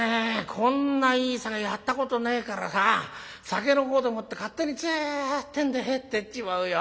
こんないい酒やったことねえからさ酒の方でもって勝手にツンってんで入ってっちまうよ。